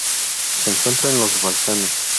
Se encuentra en los Balcanes.